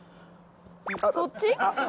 そっち？